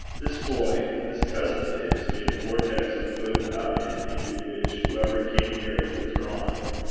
This boy, this cousin of his, made a vortex of good about him into which whoever came near it was drawn.